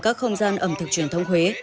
các không gian ẩm thực truyền thông huế